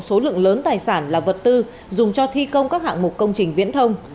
số lượng lớn tài sản là vật tư dùng cho thi công các hạng mục công trình viễn thông